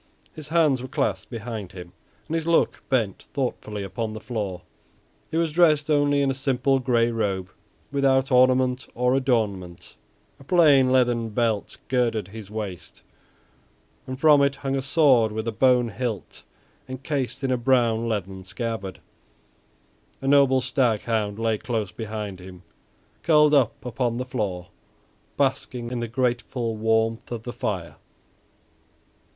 His hands were clasped behind him, and his look bent thoughtfully upon the floor. He was dressed only in a simple gray robe without ornament or adornment, a plain leathern belt girded his waist, and from it hung a sword with a bone hilt encased in a brown leathern scabbard. A noble stag hound lay close behind him, curled up upon the floor, basking in the grateful warmth of the fire.